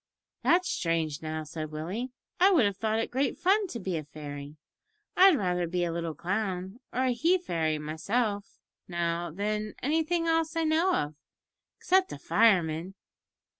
"That's strange, now," said Willie, "I would have thought it great fun to be a fairy. I'd rather be a little clown or a he fairy myself, now, than anything else I know of, except a fireman."